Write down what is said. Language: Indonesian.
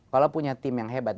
kalau punya tim yang hebat